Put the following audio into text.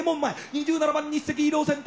２７番日赤医療センター。